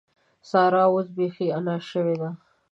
سارا اوس بېخي انا شوې ده.